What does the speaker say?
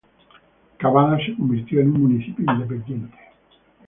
Cavada se convirtió en un municipio independiente.